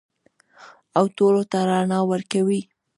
او ټولو ته رڼا ورکوي.